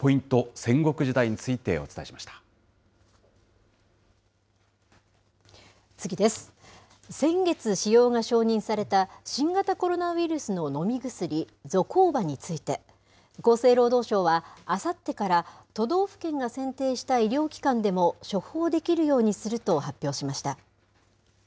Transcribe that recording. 先月使用が承認された新型コロナウイルスの飲み薬、ゾコーバについて、厚生労働省は、あさってから、都道府県が選定した医療機関でも処方できるようにすると発表しました。